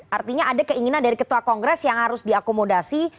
artinya ada keinginan dari ketua kongres yang harus diakomodasi